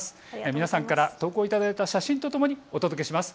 皆さんから投稿いただいた写真とともにお届けします。